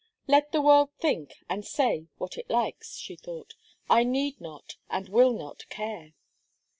"Let the world think, and say what it likes," she thought, "I need not, and I will not care."